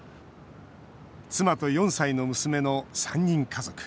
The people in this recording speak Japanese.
妻と４歳の娘の３人家族。